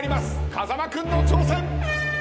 風間君の挑戦。